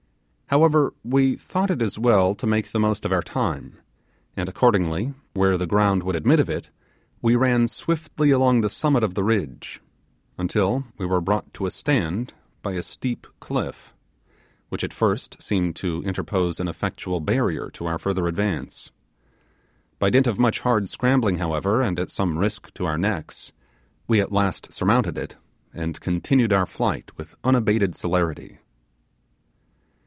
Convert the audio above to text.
However, we thought it as well to make the most of our time; and accordingly, where the ground would admit of it, we ran swiftly along the summit of the ridge, until we were brought to a stand by a steep cliff, which at first seemed to interpose an effectual barrier to our farther advance. By dint of much hard scrambling however, and at some risk to our necks, we at last surmounted it, and continued our fight with unabated celerity.